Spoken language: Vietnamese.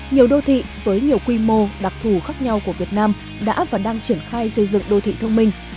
nhiều đô thị với nhiều quy mô đặc thù khác nhau của việt nam đã và đang triển khai xây dựng đô thị thông minh